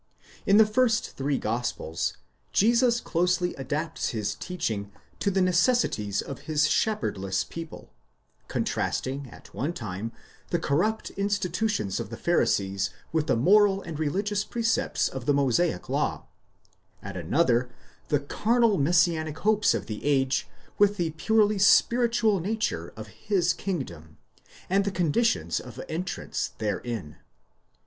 In the first three gospels, Jesus closely adapts his teaching to the necessities of his shepherdless people, contrasting, at one time, the corrupt institutions of the Pharisees with the moral and religious precepts of the Mosaic law ; at another, the carnal messianic hopes of the age with the purely spiritual nature of his kingdom, and the conditions of entrance'therein.